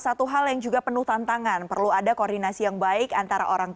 selamat sore mbak fera